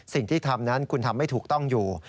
สิ่งที่ทำนั้นคุณทำไม่ถูกต้องอยู่